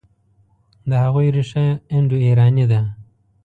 د هغوی ریښه انډوایراني ده.